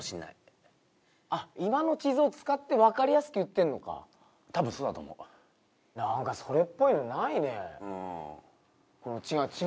今の地図を使って分かりやすくいってんのか多分そうだと思う何かそれっぽいのないね